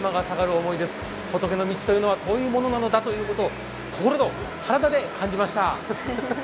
仏の道というのは遠いものなのだというのを心と体で感じました。